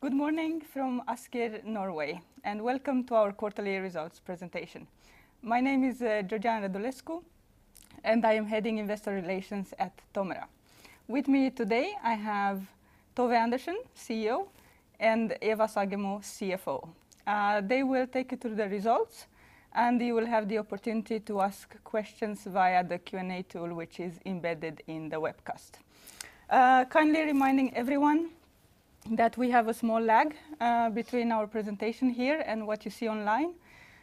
Good morning from Asker, Norway, and welcome to our quarterly results presentation. My name is Georgiana Radulescu, and I am heading Investor Relations at TOMRA. With me today, I have Tove Andersen, CEO, and Eva Sagemo, CFO. They will take you through the results, and you will have the opportunity to ask questions via the Q&A tool, which is embedded in the webcast. Kindly reminding everyone that we have a small lag between our presentation here and what you see online,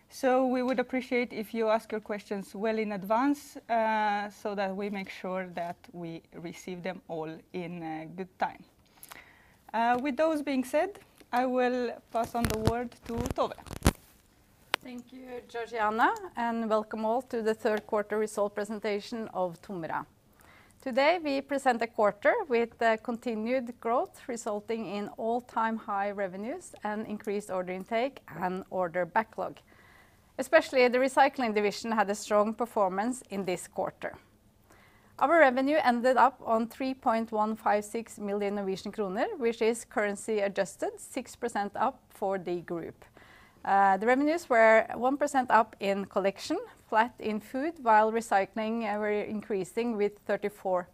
so we would appreciate if you ask your questions well in advance so that we make sure that we receive them all in good time. With those being said, I will pass on the word to Tove. Thank you, Georgiana, and welcome all to the third quarter result presentation of TOMRA. Today, we present a quarter with the continued growth resulting in all-time high revenues and increased order intake and order backlog. Especially the Recycling division had a strong performance in this quarter. Our revenue ended up on 3.156 million Norwegian kroner, which is currency adjusted 6% up for the group. The revenues were 1% up in Collection, flat in Food, while Recycling were increasing with 34%.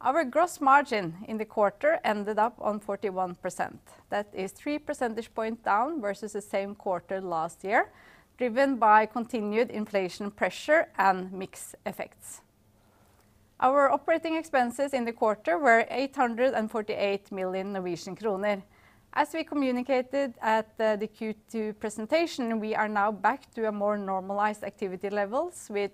Our gross margin in the quarter ended up on 41%. That is three percentage point down versus the same quarter last year, driven by continued inflation pressure and mix effects. Our operating expenses in the quarter were 848 million Norwegian kroner. As we communicated at the Q2 presentation, we are now back to a more normalized activity levels with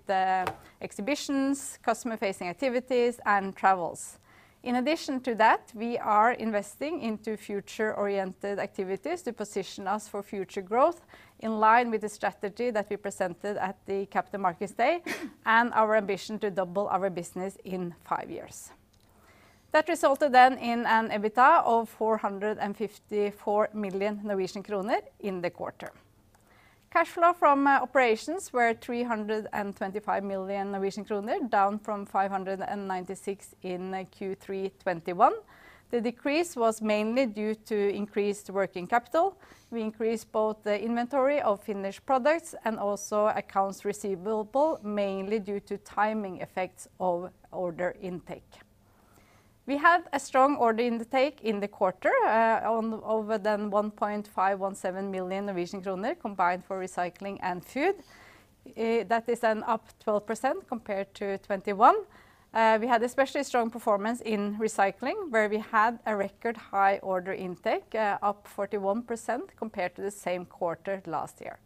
exhibitions, customer-facing activities, and travels. In addition to that, we are investing into future-oriented activities to position us for future growth in line with the strategy that we presented at the Capital Markets Day, and our ambition to double our business in five years. That resulted then in an EBITDA of 454 million Norwegian kroner in the quarter. Cash flow from operations were 325 million Norwegian kroner, down from 596 million in Q3 2021. The decrease was mainly due to increased working capital. We increased both the inventory of finished products and also accounts receivable, mainly due to timing effects of order intake. We have a strong order intake in the quarter, of more than 1.517 million Norwegian kroner combined for Recycling and Food. That is up 12% compared to 2021. We had especially strong performance in Recycling, where we had a record high order intake, up 41% compared to the same quarter last year.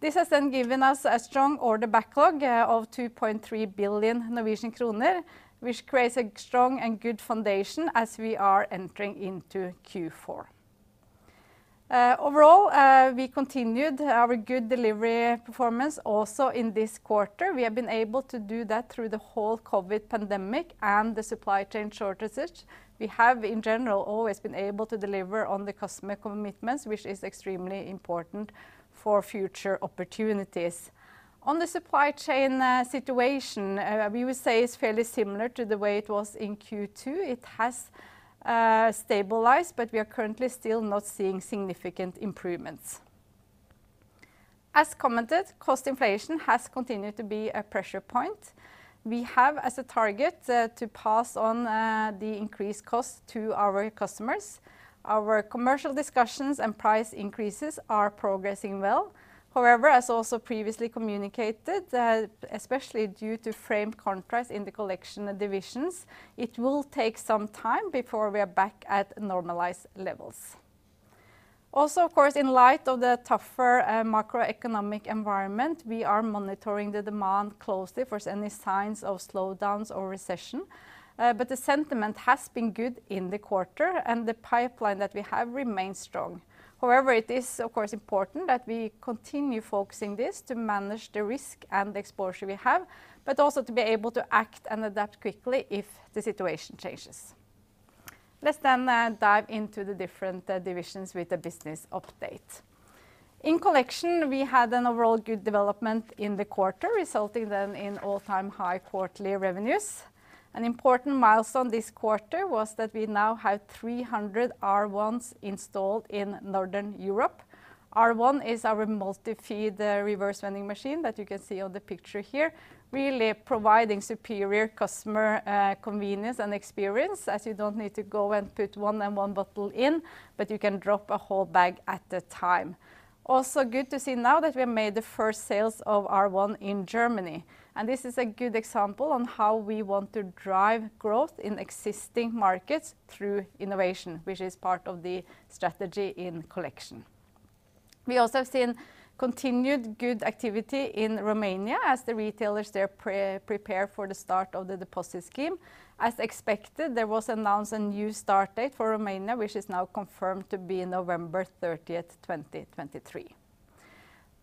This has then given us a strong order backlog, of 2.3 billion Norwegian kroner, which creates a strong and good foundation as we are entering into Q4. Overall, we continued our good delivery performance also in this quarter. We have been able to do that through the whole COVID pandemic and the supply chain shortages. We have, in general, always been able to deliver on the customer commitments, which is extremely important for future opportunities. On the supply chain situation, we would say it's fairly similar to the way it was in Q2. It has stabilized, but we are currently still not seeing significant improvements. As commented, cost inflation has continued to be a pressure point. We have as a target to pass on the increased cost to our customers. Our commercial discussions and price increases are progressing well. However, as also previously communicated, especially due to frame contracts in the collection divisions, it will take some time before we are back at normalized levels. Also, of course, in light of the tougher macroeconomic environment, we are monitoring the demand closely for any signs of slowdowns or recession. The sentiment has been good in the quarter, and the pipeline that we have remains strong. However, it is of course important that we continue focusing this to manage the risk and exposure we have, but also to be able to act and adapt quickly if the situation changes. Let's then dive into the different divisions with the business update. In Collection, we had an overall good development in the quarter, resulting then in all-time high quarterly revenues. An important milestone this quarter was that we now have 300 R1s installed in Northern Europe. R1 is our multi-feed reverse vending machine that you can see on the picture here, really providing superior customer convenience and experience as you don't need to go and put one and one bottle in, but you can drop a whole bag at a time. Good to see now that we have made the first sales of R1 in Germany, and this is a good example of how we want to drive growth in existing markets through innovation, which is part of the strategy in Collection. We also have seen continued good activity in Romania as the retailers there prepare for the start of the deposit scheme. As expected, there was announced a new start date for Romania, which is now confirmed to be November 30th, 2023.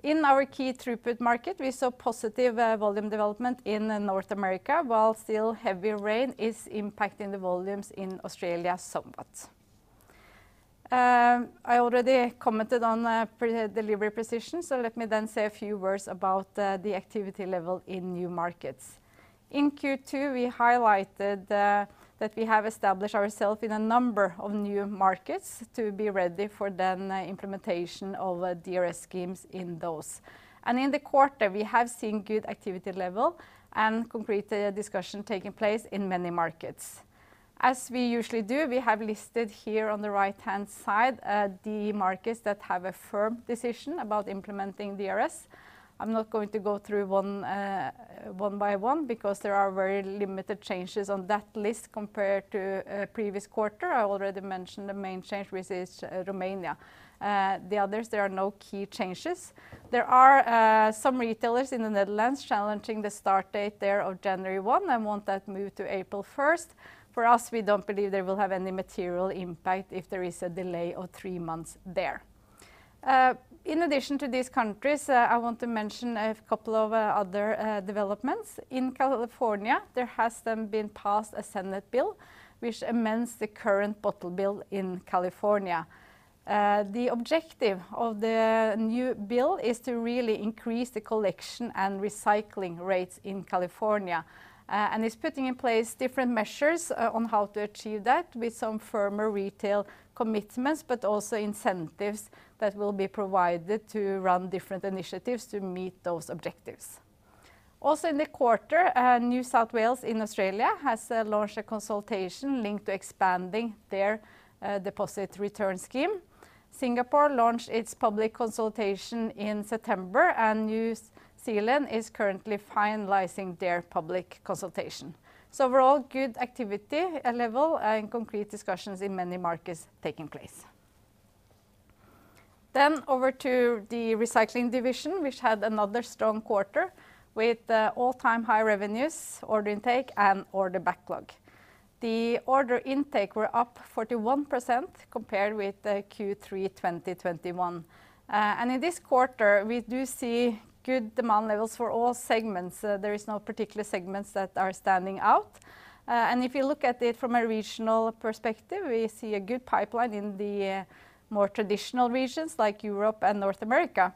In our key throughput market, we saw positive volume development in North America, while still heavy rain is impacting the volumes in Australia somewhat. I already commented on delivery precision, so let me then say a few words about the activity level in new markets. In Q2, we highlighted that we have established ourselves in a number of new markets to be ready for the implementation of DRS schemes in those. In the quarter, we have seen good activity level and continuing discussions taking place in many markets. As we usually do, we have listed here on the right-hand side the markets that have a firm decision about implementing DRS. I'm not going to go through one by one because there are very limited changes on that list compared to previous quarter. I already mentioned the main change which is Romania. The others, there are no key changes. There are some retailers in the Netherlands challenging the start date there of January 1 and want that moved to April 1st. For us, we don't believe they will have any material impact if there is a delay of three months there. In addition to these countries, I want to mention a couple of other developments. In California, there has then been passed a Senate bill which amends the current bottle bill in California. The objective of the new bill is to really increase the collection and recycling rates in California, and it's putting in place different measures on how to achieve that with some firmer retail commitments, but also incentives that will be provided to run different initiatives to meet those objectives. Also in the quarter, New South Wales in Australia has launched a consultation linked to expanding their deposit return scheme. Singapore launched its public consultation in September, and New Zealand is currently finalizing their public consultation. Overall, good activity level and concrete discussions in many markets taking place. Over to the Recycling Division, which had another strong quarter with all-time high revenues, order intake, and order backlog. The order intake were up 41% compared with Q3 2021. In this quarter, we do see good demand levels for all segments. There is no particular segments that are standing out. If you look at it from a regional perspective, we see a good pipeline in the more traditional regions like Europe and North America.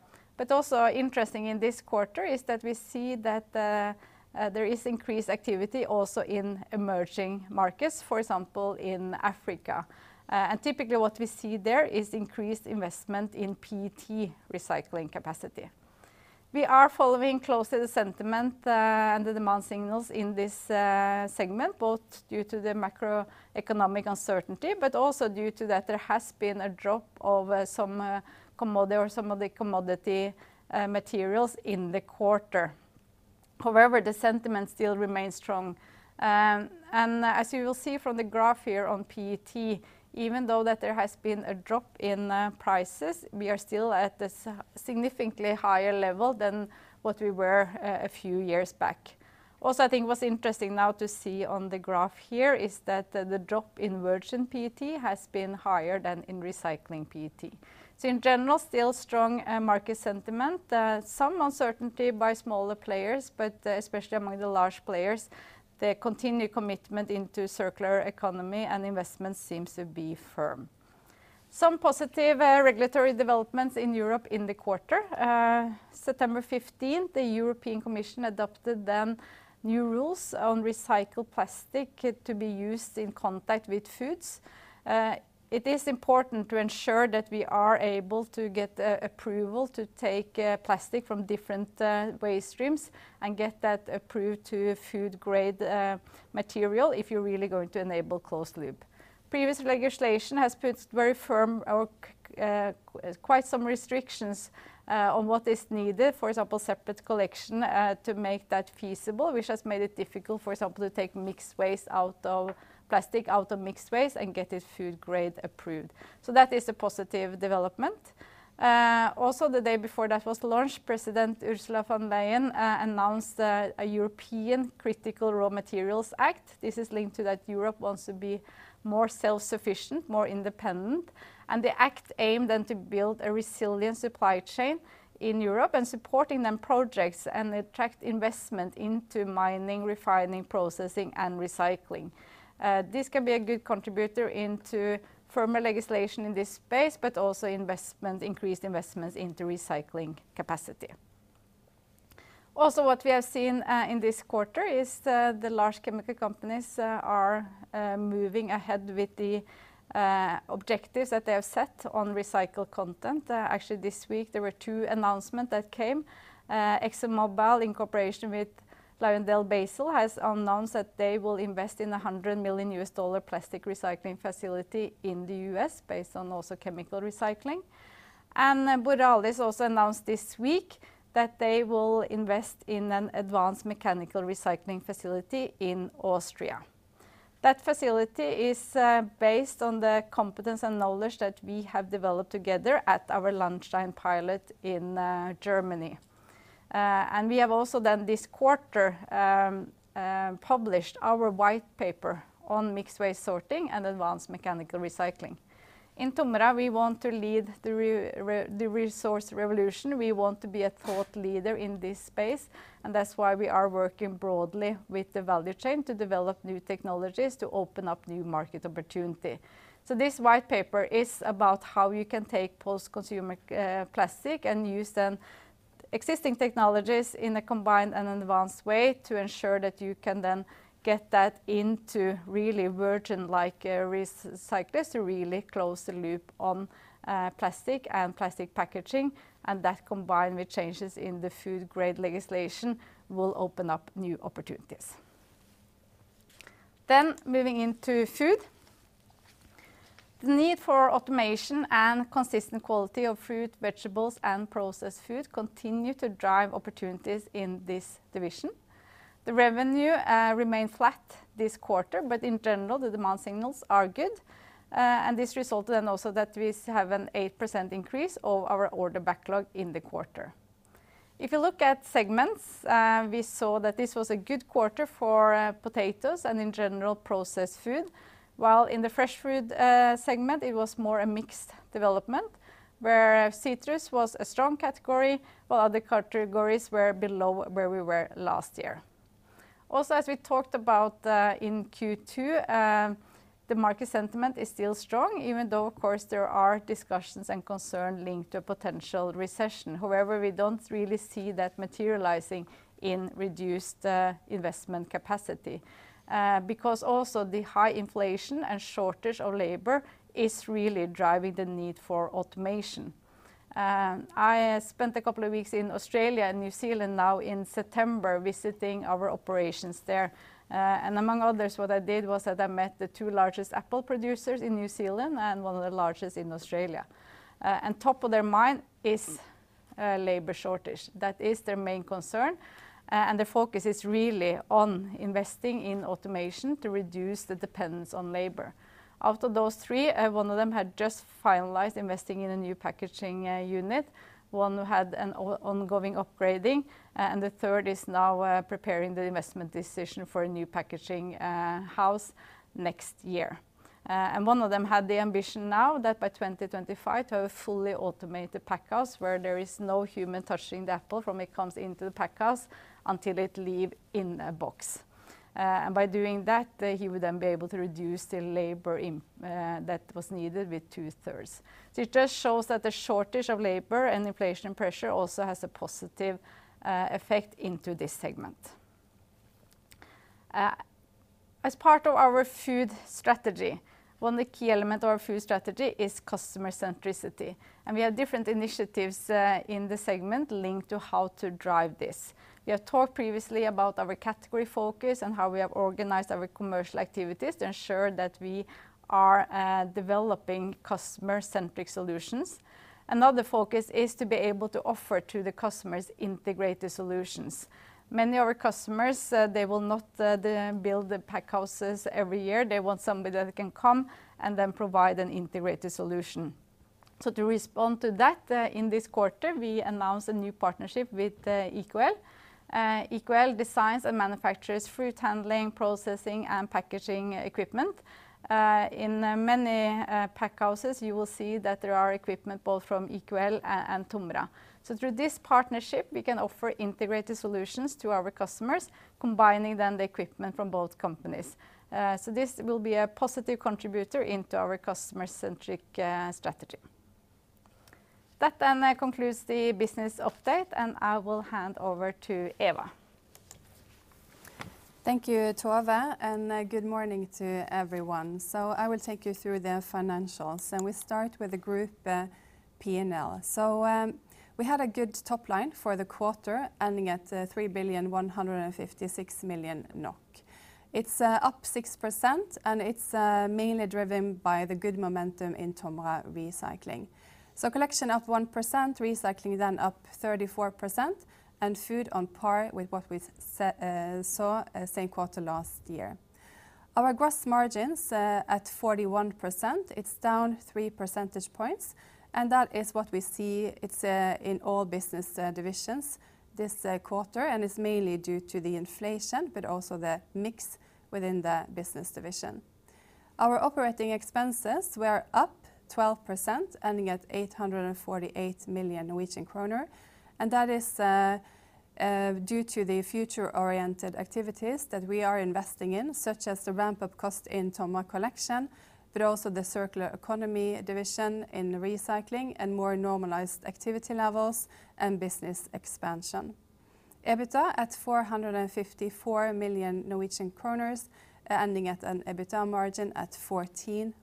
Also interesting in this quarter is that we see that there is increased activity also in emerging markets, for example, in Africa. Typically what we see there is increased investment in PET recycling capacity. We are following closely the sentiment and the demand signals in this segment, both due to the macroeconomic uncertainty, but also due to that there has been a drop of some of the commodity materials in the quarter. However, the sentiment still remains strong. As you will see from the graph here on PET, even though that there has been a drop in prices, we are still at a significantly higher level than what we were a few years back. Also, I think what's interesting now to see on the graph here is that the drop in virgin PET has been higher than in recycling PET. In general, still strong market sentiment. Some uncertainty by smaller players, but especially among the large players, the continued commitment into Circular Economy and investment seems to be firm. Some positive regulatory developments in Europe in the quarter. September fifteenth, the European Commission adopted the new rules on recycled plastic to be used in contact with foods. It is important to ensure that we are able to get approval to take plastic from different waste streams, and get that approved to food-grade material if you're really going to enable closed loop. Previous legislation has put very firm, quite some restrictions on what is needed, for example, separate collection to make that feasible, which has made it difficult, for example, to take plastic out of mixed waste and get it food-grade approved. That is a positive development. The day before that was launched, President Ursula von der Leyen announced a European Critical Raw Materials Act. This is linked to that Europe wants to be more self-sufficient, more independent. The act aimed then to build a resilient supply chain in Europe and supporting the projects and attract investment into mining, refining, processing, and recycling. This can be a good contributor to firmer legislation in this space, but also investment, increased investments into recycling capacity. What we have seen in this quarter is the large chemical companies are moving ahead with the objectives that they have set on recycled content. Actually this week there were two announcements that came. ExxonMobil in cooperation with LyondellBasell has announced that they will invest in a $100 million plastic recycling facility in the U.S. based on also chemical recycling. Borealis also announced this week that they will invest in an advanced mechanical recycling facility in Austria. That facility is based on the competence and knowledge that we have developed together at our Lahnstein pilot in Germany. We have also this quarter published our white paper on mixed waste sorting and advanced mechanical recycling. In TOMRA, we want to lead the resource revolution. We want to be a thought leader in this space, and that's why we are working broadly with the value chain to develop new technologies to open up new market opportunity. This white paper is about how you can take post-consumer plastic, and use then existing technologies in a combined and advanced way to ensure that you can then get that into really virgin-like recyclers to really close the loop on plastic and plastic packaging, and that combined with changes in the food grade legislation will open up new opportunities. Moving into Food. The need for automation and consistent quality of fruit, vegetables, and processed food continue to drive opportunities in this division. The revenue remained flat this quarter, but in general, the demand signals are good. This resulted in also that we have an 8% increase of our order backlog in the quarter. If you look at segments, we saw that this was a good quarter for, potatoes and in general processed food, while in the fresh food, segment it was more a mixed development, where citrus was a strong category, while other categories were below where we were last year. Also, as we talked about, in Q2, the market sentiment is still strong, even though of course there are discussions and concern linked to potential recession. However, we don't really see that materializing in reduced, investment capacity, because also the high inflation and shortage of labor is really driving the need for automation. I spent a couple of weeks in Australia and New Zealand now in September visiting our operations there. Among others, what I did was that I met the two largest apple producers in New Zealand, and one of the largest in Australia. Top of their mind is labor shortage. That is their main concern, and the focus is really on investing in automation to reduce the dependence on labor. Out of those three, one of them had just finalized investing in a new packaging unit, one had an ongoing upgrading, and the third is now preparing the investment decision for a new packaging house next year. One of them had the ambition now that by 2025 to have fully automated pack house where there is no human touching the apple from it comes into the pack house until it leave in a box. By doing that, he would then be able to reduce the labor that was needed with two-thirds. It just shows that the shortage of labor and inflation pressure also has a positive effect into this segment. As part of our food strategy, one of the key element of our food strategy is customer centricity, and we have different initiatives in the segment linked to how to drive this. We have talked previously about our category focus, and how we have organized our commercial activities to ensure that we are developing customer-centric solutions. Another focus is to be able to offer to the customers integrated solutions. Many of our customers, they will not build the pack houses every year. They want somebody that can come and then provide an integrated solution. To respond to that, in this quarter, we announced a new partnership with EQL. EQL designs and manufactures fruit handling, processing, and packaging equipment. In many pack houses, you will see that there are equipment both from EQL and TOMRA. Through this partnership, we can offer integrated solutions to our customers, combining then the equipment from both companies. This will be a positive contributor into our customer-centric strategy. That then concludes the business update, and I will hand over to Eva. Thank you, Tove, and good morning to everyone. I will take you through the financials, and we start with the group P&L. We had a good top line for the quarter, ending at 3.156 million NOK. It's up 6%, and it's mainly driven by the good momentum in TOMRA Recycling. Collection up 1%, recycling up 34%, and food on par with what we saw same quarter last year. Our gross margins at 41%, it's down three percentage points, and that is what we see. It's in all business divisions this quarter, and it's mainly due to the inflation, but also the mix within the business division. Our operating expenses were up 12%, ending at 848 million Norwegian kroner, and that is due to the future-oriented activities that we are investing in, such as the ramp-up cost in TOMRA Collection, but also the Circular Economy division in recycling and more normalized activity levels and business expansion. EBITDA at 454 million Norwegian kroner, ending at an EBITDA margin at 14%.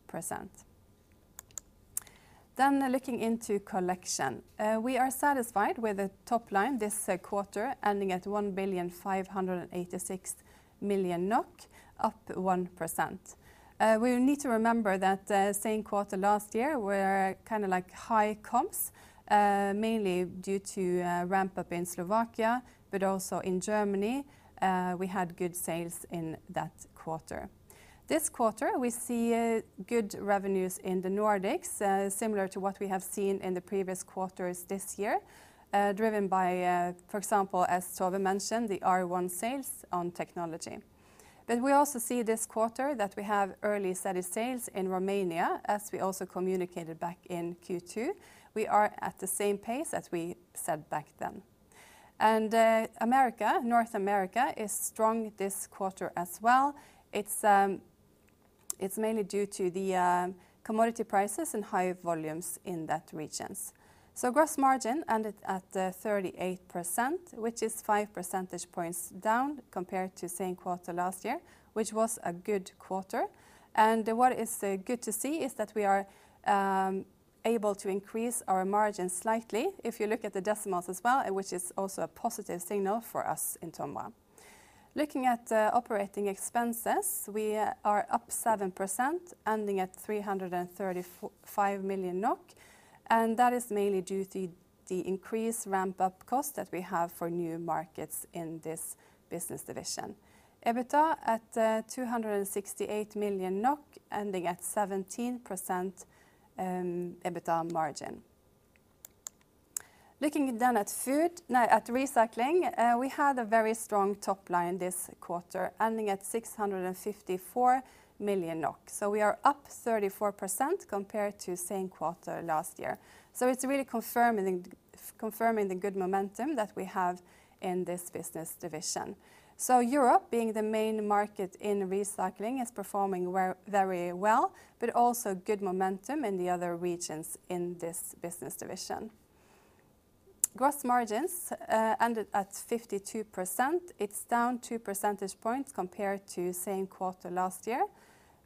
Looking into collection. We are satisfied with the top line this quarter, ending at 1.586 million NOK, up 1%. We need to remember that same quarter last year were kinda, like, high comps, mainly due to ramp-up in Slovakia, but also in Germany, we had good sales in that quarter. This quarter, we see good revenues in the Nordics, similar to what we have seen in the previous quarters this year, driven by, for example, as Tove mentioned, the R1 sales on technology. We also see this quarter that we have early steady sales in Romania, as we also communicated back in Q2. We are at the same pace as we said back then. North America is strong this quarter as well. It's mainly due to the commodity prices and high volumes in that region. Gross margin ended at 38% which is five percentage points down compared to same quarter last year which was a good quarter. What is good to see is that we are able to increase our margins slightly if you look at the decimals as well which is also a positive signal for us in TOMRA. Looking at operating expenses, we are up 7% ending at 334.5 million NOK, and that is mainly due to the increased ramp-up cost that we have for new markets in this business division. EBITDA at 268 million NOK ending at 17% EBITDA margin. Looking at recycling, we had a very strong top line this quarter ending at 654 million NOK. We are up 34% compared to same quarter last year. It's really confirming the good momentum that we have in this business division. Europe being the main market in recycling is performing very, very well, but also good momentum in the other regions in this business division. Gross margins ended at 52%. It's down two percentage points compared to same quarter last year,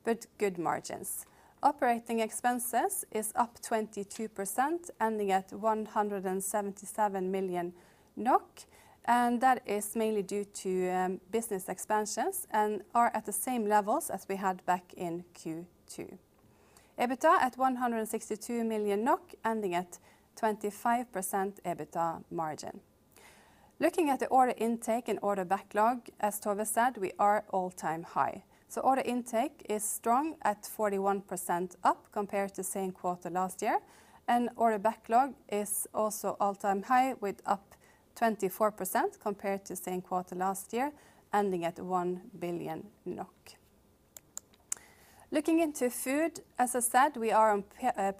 but good margins. Operating expenses is up 22% ending at 177 million NOK, and that is mainly due to business expansions, and are at the same levels as we had back in Q2. EBITDA at 162 million NOK ending at 25% EBITDA margin. Looking at the order intake and order backlog, as Tove said, we are all-time high. Order intake is strong at 41% up compared to same quarter last year, and order backlog is also all-time high with up 24% compared to same quarter last year ending at 1 billion NOK. Looking into food, as I said, we are on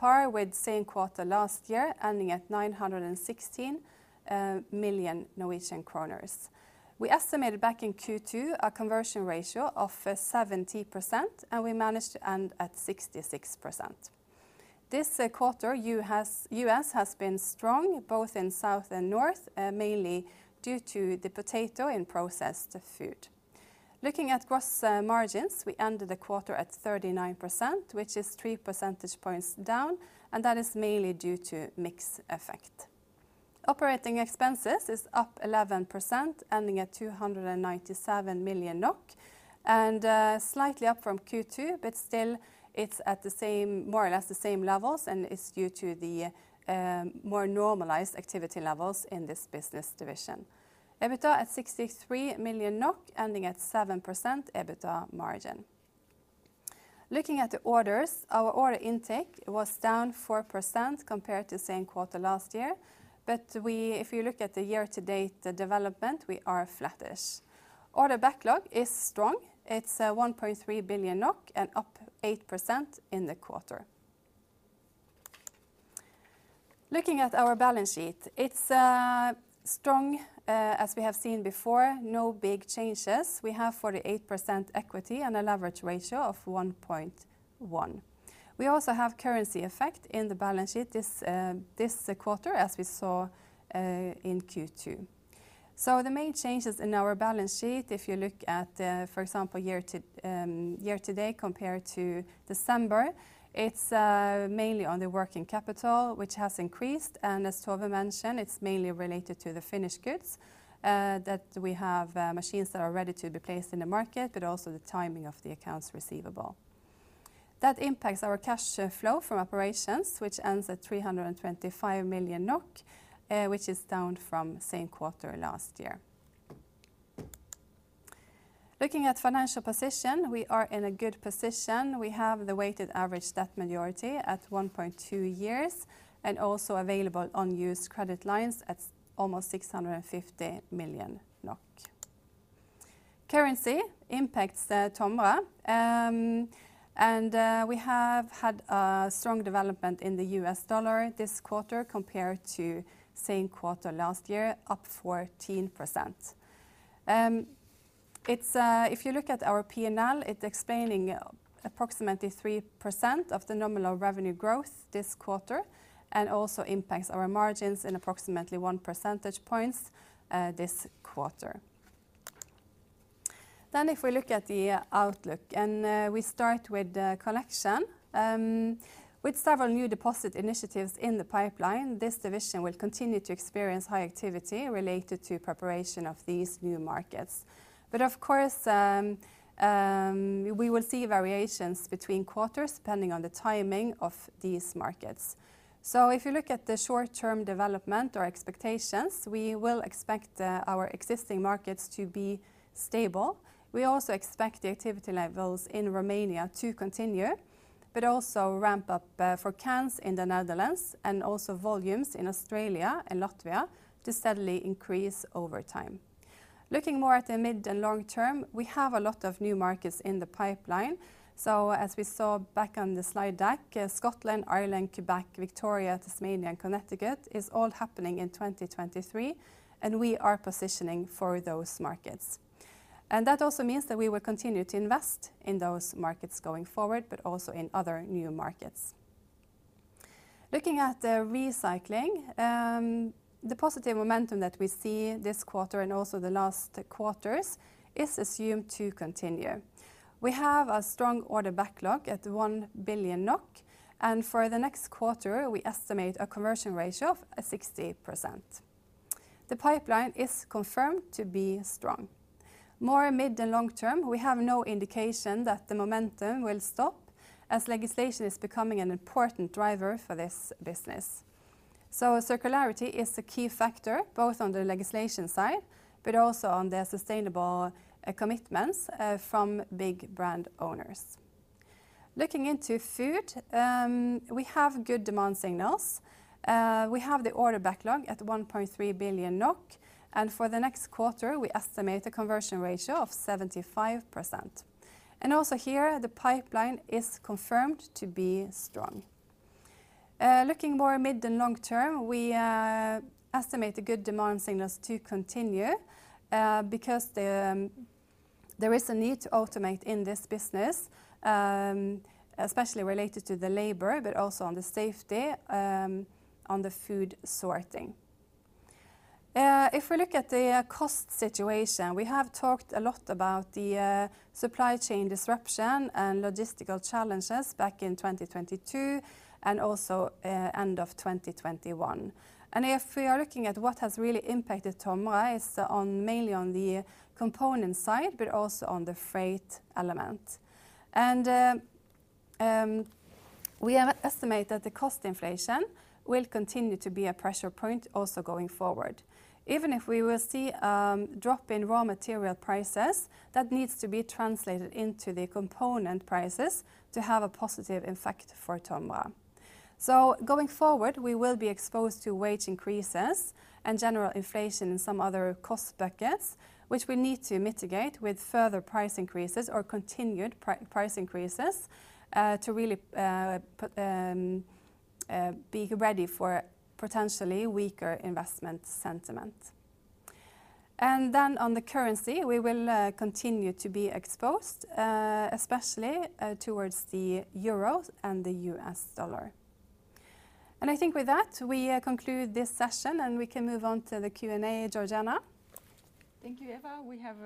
par with same quarter last year ending at 916 million Norwegian kroner. We estimated back in Q2 a conversion ratio of 70%, and we managed to end at 66%. This quarter, US has been strong both in south and north, mainly due to the potato and processed food. Looking at gross margins, we ended the quarter at 39% which is three percentage points down, and that is mainly due to mix effect. Operating expenses is up 11% ending at 297 million NOK and slightly up from Q2, but still it's at the same, more or less the same levels, and it's due to the more normalized activity levels in this business division. EBITDA at 63 million NOK ending at 7% EBITDA margin. Looking at the orders, our order intake was down 4% compared to same quarter last year, if you look at the year-to-date, the development, we are flattish. Order backlog is strong. It's 1.3 billion NOK and up 8% in the quarter. Looking at our balance sheet, it's strong, as we have seen before, no big changes. We have 48% equity and a leverage ratio of 1.1. We also have currency effect in the balance sheet this quarter as we saw in Q2. The main changes in our balance sheet if you look at, for example, year to date compared to December, it's mainly on the working capital which has increased, and as Tove mentioned, it's mainly related to the finished goods that we have machines that are ready to be placed in the market but also the timing of the accounts receivable. That impacts our cash flow from operations which ends at 325 million NOK, which is down from same quarter last year. Looking at financial position, we are in a good position. We have the weighted average debt maturity at 1.2 years and also available unused credit lines at almost 650 million NOK. Currency impacts TOMRA. We have had a strong development in the US dollar this quarter compared to same quarter last year, up 14%. It's... If you look at our P&L, it's explaining approximately 3% of the nominal revenue growth this quarter and also impacts our margins in approximately one percentage point this quarter. If we look at the outlook, we start with the collection, with several new deposit initiatives in the pipeline, this division will continue to experience high activity related to preparation of these new markets. Of course, we will see variations between quarters depending on the timing of these markets. If you look at the short-term development or expectations, we will expect our existing markets to be stable. We also expect the activity levels in Romania to continue, but also ramp up, for cans in the Netherlands, and also volumes in Australia and Latvia to steadily increase over time. Looking more at the mid and long term, we have a lot of new markets in the pipeline. As we saw back on the slide deck, Scotland, Ireland, Quebec, Victoria, Tasmania, and Connecticut is all happening in 2023, and we are positioning for those markets. That also means that we will continue to invest in those markets going forward but also in other new markets. Looking at the recycling, the positive momentum that we see this quarter and also the last quarters is assumed to continue. We have a strong order backlog at 1 billion NOK, and for the next quarter, we estimate a conversion ratio of 60%. The pipeline is confirmed to be strong. More mid to long term, we have no indication that the momentum will stop as legislation is becoming an important driver for this business. Circularity is a key factor, both on the legislation side, but also on the sustainable commitments from big brand owners. Looking into food, we have good demand signals. We have the order backlog at 1.3 billion NOK, and for the next quarter we estimate the conversion ratio of 75%. Also here the pipeline is confirmed to be strong. Looking more mid to long term, we estimate the good demand signals to continue, because there is a need to automate in this business, especially related to the labor, but also on the safety on the food sorting. If we look at the cost situation, we have talked a lot about the supply chain disruption and logistical challenges back in 2022 and also end of 2021. If we are looking at what has really impacted TOMRA, it's mainly on the component side, but also on the freight element. We have estimated the cost inflation will continue to be a pressure point also going forward. Even if we will see drop in raw material prices, that needs to be translated into the component prices to have a positive effect for TOMRA. Going forward, we will be exposed to wage increases and general inflation in some other cost buckets, which we need to mitigate with further price increases or continued price increases to really be ready for potentially weaker investment sentiment. On the currency, we will continue to be exposed, especially towards the euro and the US dollar. I think with that, we conclude this session, and we can move on to the Q&A. Georgiana? Thank you, Eva. We have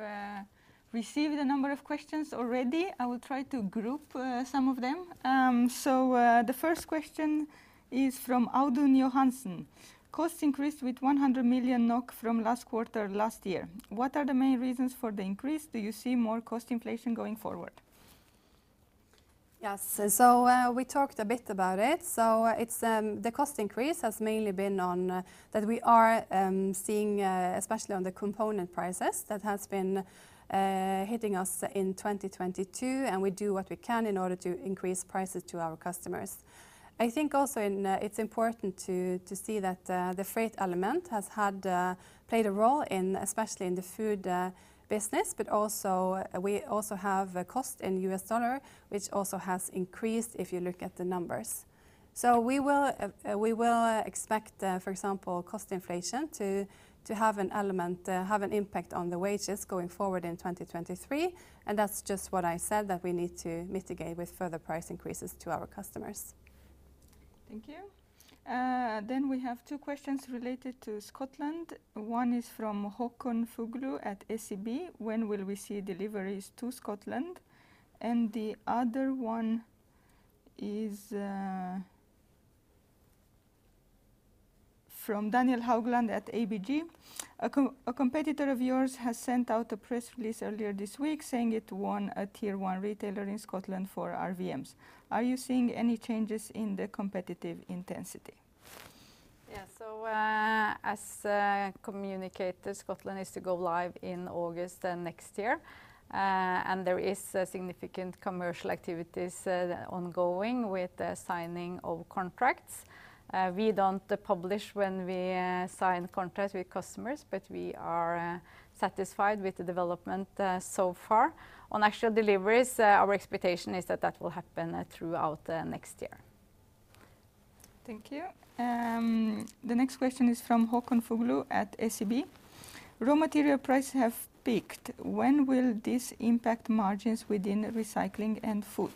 received a number of questions already. I will try to group some of them. The first question is from Audun Johansen. Cost increased with 100 million NOK from last quarter last year. What are the main reasons for the increase? Do you see more cost inflation going forward? Yes. We talked a bit about it. It's the cost increase has mainly been on that we are seeing especially on the component prices that has been hitting us in 2022, and we do what we can in order to increase prices to our customers. I think also it's important to see that the freight element has played a role in especially the food business, but we also have a cost in US dollar, which also has increased if you look at the numbers. We will expect, for example, cost inflation to have an impact on the wages going forward in 2023, and that's just what I said, that we need to mitigate with further price increases to our customers. Thank you. Then we have two questions related to Scotland. One is from Håkon Fuglu at SEB. When will we see deliveries to Scotland? The other one is from Daniel Haugland at ABG. A competitor of yours has sent out a press release earlier this week saying it won a tier one retailer in Scotland for RVMs. Are you seeing any changes in the competitive intensity? As communicated, Scotland is to go live in August next year, and there is significant commercial activities ongoing with the signing of contracts. We don't publish when we sign contracts with customers, but we are satisfied with the development so far. On actual deliveries, our expectation is that will happen throughout next year. Thank you. The next question is from Håkon Fuglu at SEB. Raw material prices have peaked. When will this impact margins within recycling and food?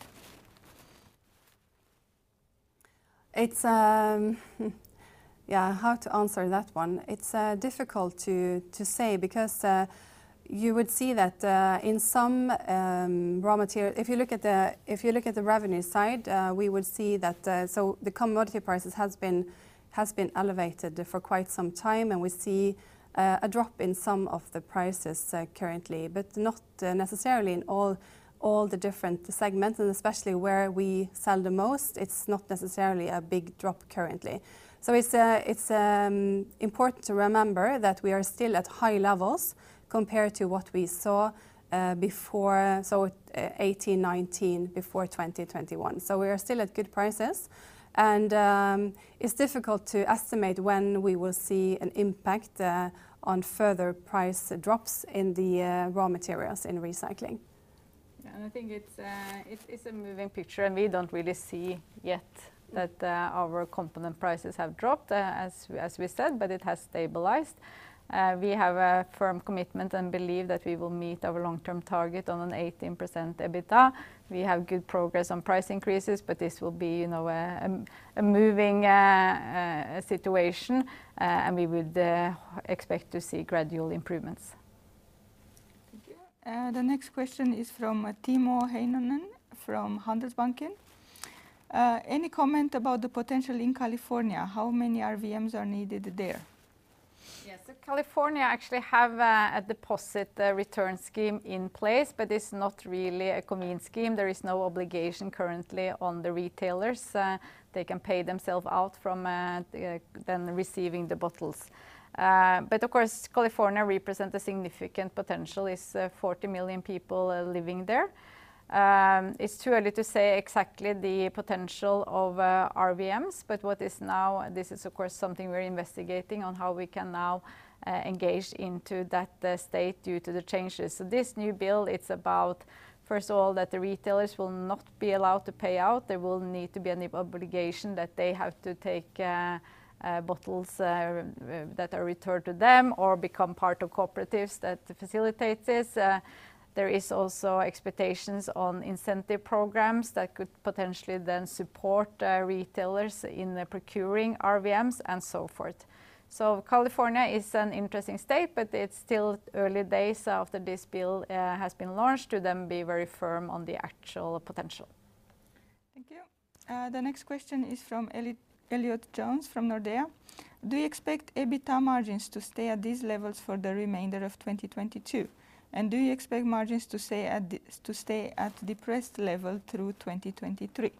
It's... Yeah, how to answer that one. It's difficult to say because you would see that. If you look at the revenue side, we would see that so the commodity prices has been elevated for quite some time, and we see a drop in some of the prices currently, but not necessarily in all the different segments, and especially where we sell the most, it's not necessarily a big drop currently. It's important to remember that we are still at high levels compared to what we saw before, so 2018, 2019, before 2021. We are still at good prices, and it's difficult to estimate when we will see an impact on further price drops in the raw materials in recycling. I think it's a moving picture, and we don't really see yet that our component prices have dropped as we said, but it has stabilized. We have a firm commitment and believe that we will meet our long-term target on 18% EBITDA. We have good progress on price increases, but this will be, you know, a moving situation, and we would expect to see gradual improvements. Thank you. The next question is from Timo Heinonen from Handelsbanken. Any comment about the potential in California? How many RVMs are needed there? Yes. California actually have a deposit return scheme in place, but it's not really a common scheme. There is no obligation currently on the retailers. They can pay themselves out from then receiving the bottles. But of course, California represent a significant potential. It's 40 million people living there. It's too early to say exactly the potential of RVMs. This is of course something we're investigating on how we can now engage into that state due to the changes. This new bill, it's about, first of all, that the retailers will not be allowed to pay out. There will need to be an obligation that they have to take bottles that are returned to them or become part of cooperatives that facilitate this. There is also expectations on incentive programs that could potentially then support retailers in procuring RVMs and so forth. California is an interesting state, but it's still early days after this bill has been launched to then be very firm on the actual potential. Thank you. The next question is from Elliott Jones from Nordea. Do you expect EBITDA margins to stay at these levels for the remainder of 2022, and do you expect margins to stay at depressed level through 2023? Yeah.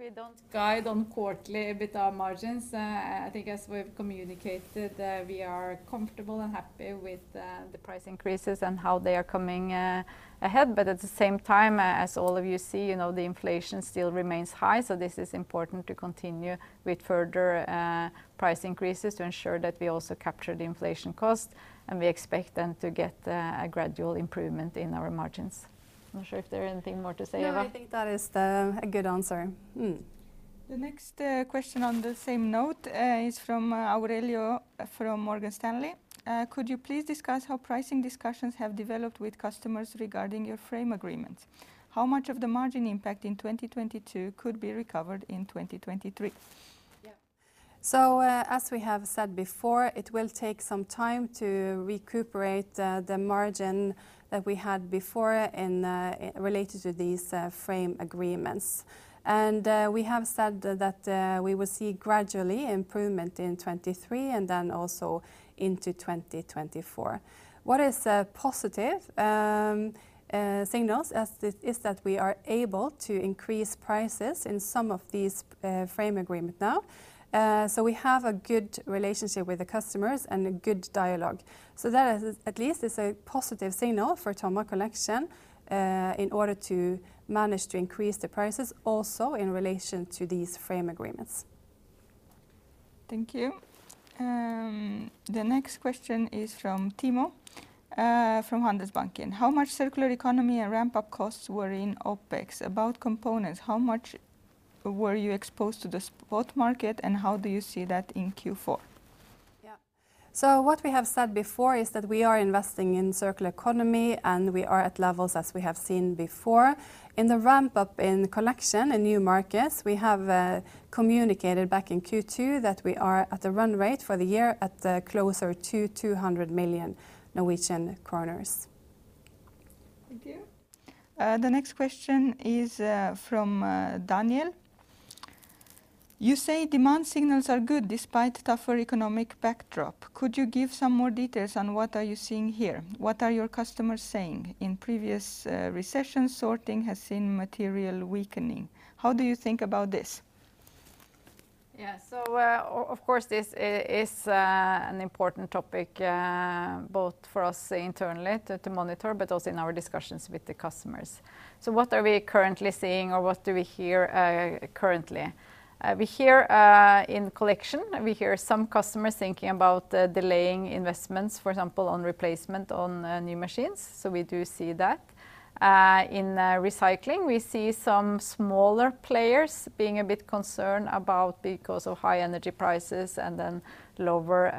I think we don't guide on quarterly EBITDA margins. I think as we've communicated, we are comfortable and happy with the price increases and how they are coming ahead. At the same time, as all of you see, you know, the inflation still remains high, so this is important to continue with further price increases to ensure that we also capture the inflation cost, and we expect then to get a gradual improvement in our margins. I'm not sure if there are anything more to say, Eva. No, I think that is a good answer. Mm. The next question on the same note is from Aurelio from Morgan Stanley. Could you please discuss how pricing discussions have developed with customers regarding your frame agreements? How much of the margin impact in 2022 could be recovered in 2023? Yeah. As we have said before, it will take some time to recuperate the margin that we had before and related to these frame agreements. We have said that we will see gradually improvement in 2023 and then also into 2024. What is a positive signal as it is that we are able to increase prices in some of these frame agreement now. We have a good relationship with the customers and a good dialogue. That at least is a positive signal for TOMRA Collection in order to manage to increase the prices also in relation to these frame agreements. Thank you. The next question is from Timo from Handelsbanken. How much circular economy and ramp-up costs were in OpEx? About components, how much were you exposed to the spot market, and how do you see that in Q4? Yeah. What we have said before is that we are investing in circular economy, and we are at levels as we have seen before. In the ramp-up in collection in new markets, we have communicated back in Q2 that we are at the run rate for the year at closer to 200 million Norwegian kroner. Thank you. The next question is from Daniel. You say demand signals are good despite tougher economic backdrop. Could you give some more details on what are you seeing here? What are your customers saying? In previous recessions, sorting has seen material weakening. How do you think about this? Yeah. Of course, this is an important topic both for us internally to monitor, but also in our discussions with the customers. What are we currently seeing, or what do we hear currently? We hear. In collection, we hear some customers thinking about delaying investments, for example, on replacement on new machines. We do see that. In recycling, we see some smaller players being a bit concerned about because of high energy prices and then lower,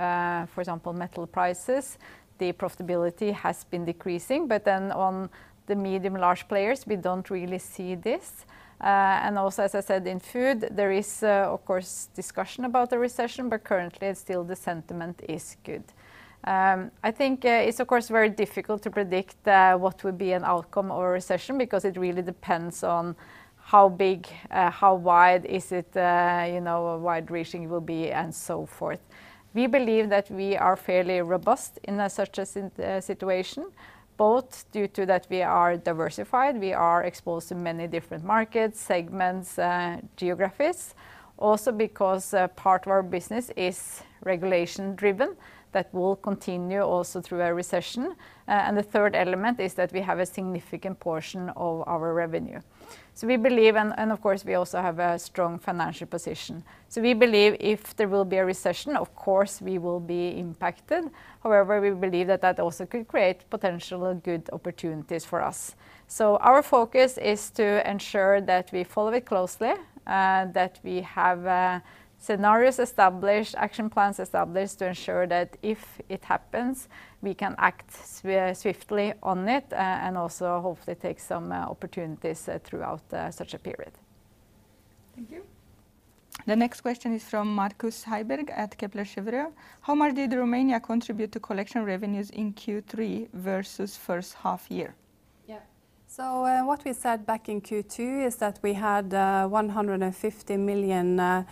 for example, metal prices. The profitability has been decreasing. On the medium large players, we don't really see this. And also, as I said, in food, there is of course discussion about the recession, but currently still the sentiment is good. I think, it's of course very difficult to predict, what would be an outcome or a recession because it really depends on how big, how wide is it, you know, wide-reaching it will be, and so forth. We believe that we are fairly robust in such a situation, both due to that we are diversified, we are exposed to many different markets, segments, geographies. Also because, part of our business is regulation driven, that will continue also through a recession. The third element is that we have a significant portion of our revenue. We believe. Of course, we also have a strong financial position. We believe if there will be a recession, of course, we will be impacted. However, we believe that that also could create potential good opportunities for us. Our focus is to ensure that we follow it closely, that we have scenarios established, action plans established to ensure that if it happens, we can act swiftly on it, and also hopefully take some opportunities throughout such a period. Thank you. The next question is from Markus Heiberg at Kepler Cheuvreux. How much did Romania contribute to collection revenues in Q3 versus first half year? What we said back in Q2 is that we had 150 million NOK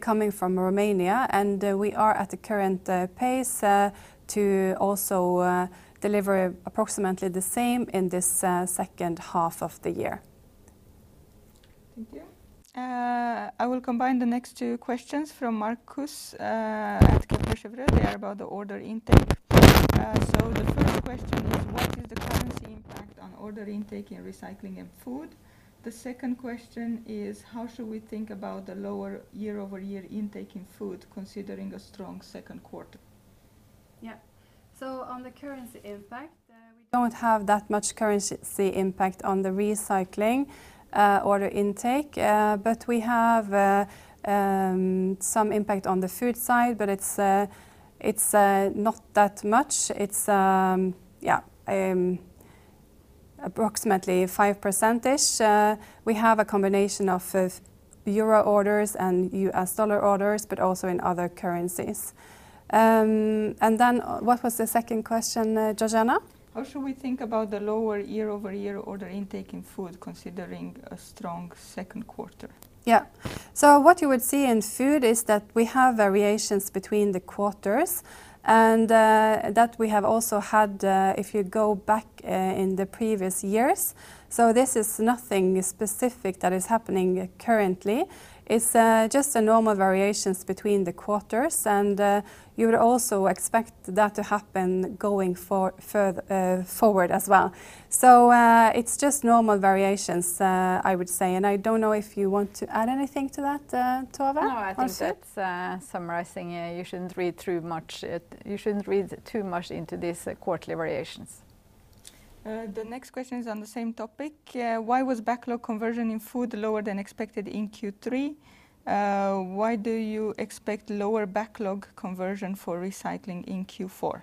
coming from Romania, and we are at the current pace to also deliver approximately the same in this second half of the year. Thank you. I will combine the next two questions from Markus at Kepler Cheuvreux. They are about the order intake. The first question is what is the currency impact on order intake in Recycling and Food? The second question is how should we think about the lower year-over-year intake in Food considering a strong second quarter? Yeah. On the currency impact, we don't have that much currency impact on the Recycling order intake, but we have some impact on the Food side, but it's not that much. It's approximately 5%. We have a combination of euro orders and US dollar orders, but also in other currencies. What was the second question, Georgiana? How should we think about the lower year-over-year order intake in Food considering a strong second quarter? Yeah. What you would see in Food is that we have variations between the quarters, and that we have also had, if you go back, in the previous years. This is nothing specific that is happening currently. It's just the normal variations between the quarters, and you would also expect that to happen going forward as well. It's just normal variations, I would say. I don't know if you want to add anything to that, Tove, on Food? No, I think that's summarizing. You shouldn't read too much into these quarterly variations. The next question is on the same topic. Why was backlog conversion in Food lower than expected in Q3? Why do you expect lower backlog conversion for Recycling in Q4?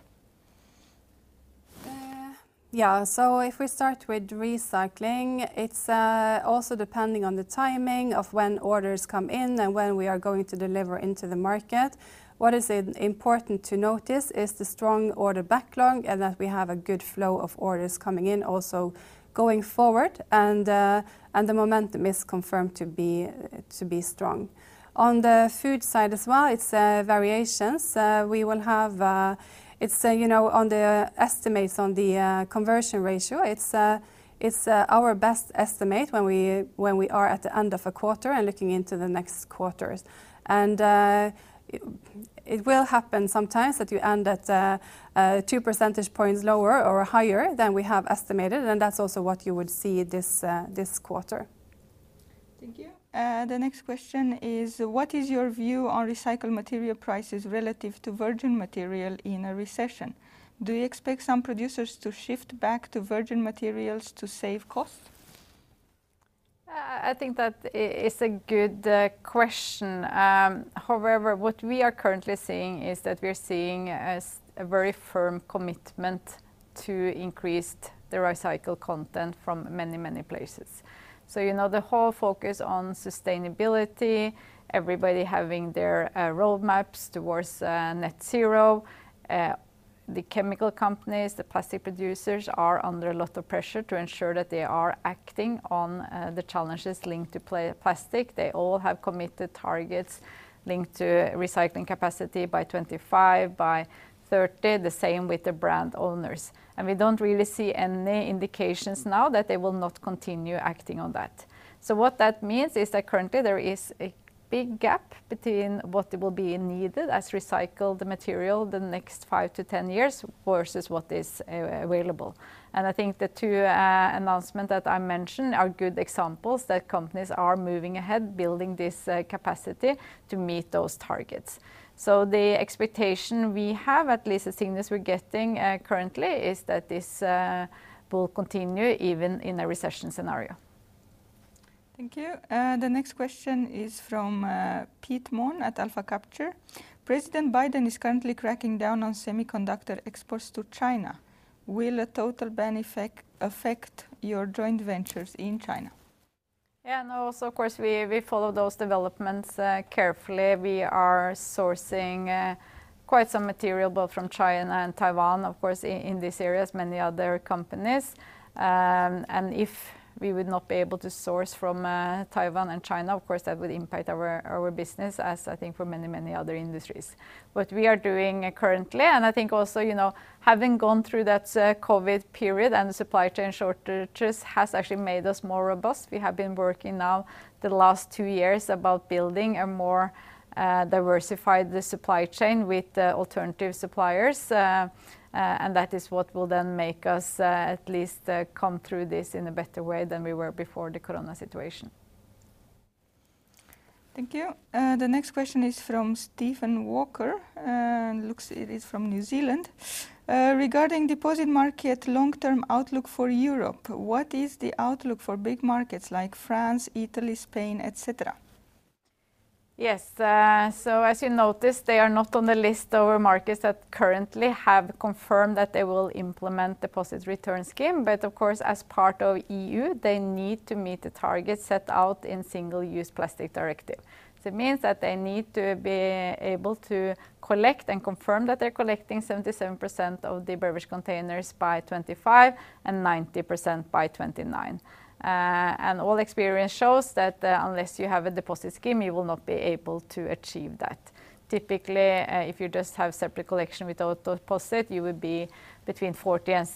Yeah. If we start with Recycling, it's also depending on the timing of when orders come in and when we are going to deliver into the market. What is important to notice is the strong order backlog and that we have a good flow of orders coming in also going forward, and the momentum is confirmed to be strong. On the Food side as well, it's variations. It's you know, on the estimates on the conversion ratio, it's our best estimate when we are at the end of a quarter and looking into the next quarters. It will happen sometimes that you end at two percentage points lower or higher than we have estimated, and that's also what you would see this quarter. Thank you. The next question is what is your view on recycled material prices relative to virgin material in a recession? Do you expect some producers to shift back to virgin materials to save cost? I think that is a good question. However, what we are currently seeing is a very firm commitment to increased the recycled content from many, many places. You know, the whole focus on sustainability, everybody having their roadmaps towards net zero. The chemical companies, the plastic producers are under a lot of pressure to ensure that they are acting on the challenges linked to plastic. They all have committed targets linked to recycling capacity by 2025, by 2030. The same with the brand owners. We don't really see any indications now that they will not continue acting on that. What that means is that currently there is a big gap between what will be needed as recycled material the next 5-10 years versus what is available. I think the two announcement that I mentioned are good examples that companies are moving ahead, building this capacity to meet those targets. The expectation we have, at least the signals we're getting currently, is that this will continue even in a recession scenario. Thank you. The next question is from Pete Mohn at Alpha Capture. President Biden is currently cracking down on semiconductor exports to China. Will a total ban affect your joint ventures in China? Yeah, no, of course, we follow those developments carefully. We are sourcing quite some material both from China and Taiwan. Of course, in this area, as many other companies. If we would not be able to source from Taiwan and China, of course, that would impact our business as I think for many other industries. What we are doing currently, and I think also, you know, having gone through that COVID period, and the supply chain shortages has actually made us more robust. We have been working now the last two years about building a more diversified supply chain with alternative suppliers. That is what will then make us at least come through this in a better way than we were before the corona situation. Thank you. The next question is from Stephen Walker, and it looks like it is from New Zealand. Regarding deposit market long-term outlook for Europe, what is the outlook for big markets like France, Italy, Spain, et cetera? Yes. As you notice, they are not on the list of markets that currently have confirmed that they will implement deposit return scheme, but of course, as part of EU, they need to meet the targets set out in Single-Use Plastics Directive. It means that they need to be able to collect and confirm that they're collecting 77% of the beverage containers by 2025 and 90% by 2029. And all experience shows that unless you have a deposit scheme, you will not be able to achieve that. Typically, if you just have separate collection without deposit, you would be between 40% and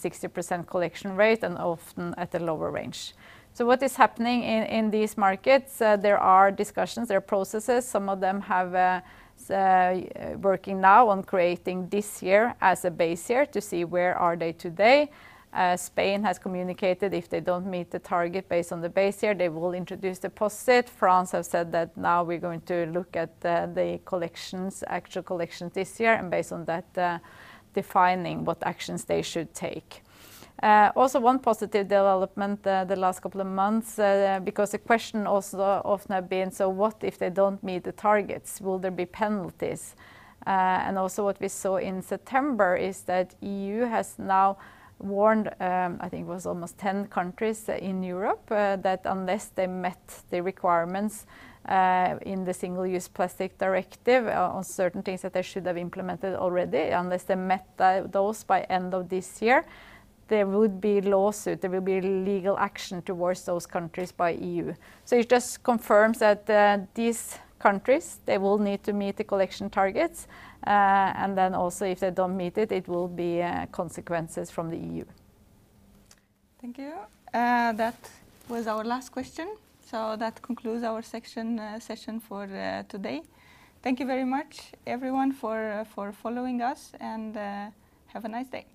60% collection rate and often at a lower range. What is happening in these markets? There are discussions, there are processes. Some of them are working now on creating this year as a base year to see where are they today. Spain has communicated if they don't meet the target based on the base year, they will introduce deposit. France have said that now we're going to look at the collections, actual collections this year and based on that, defining what actions they should take. Also one positive development, the last couple of months, because the question also often have been, so what if they don't meet the targets? Will there be penalties? What we saw in September is that EU has now warned, I think it was almost 10 countries in Europe, that unless they met the requirements in the Single-Use Plastics Directive on certain things that they should have implemented already, unless they met those by end of this year, there would be lawsuit, there will be legal action towards those countries by EU. It just confirms that these countries they will need to meet the collection targets. If they don't meet it will be consequences from the EU. Thank you. That was our last question, so that concludes our section, session for today. Thank you very much everyone for following us and have a nice day.